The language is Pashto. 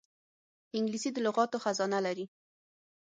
انګلیسي د لغاتو خزانه لري